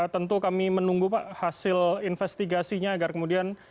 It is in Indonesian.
tentu kami menunggu pak hasil investigasinya agar kemudian